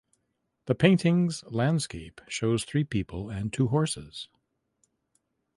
The paintings landscape shows three people and two horses.